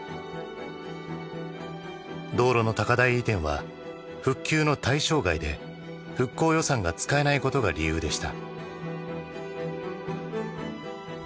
道路の高台移転は復旧の対象外で復興予算が使えないことが理由でした。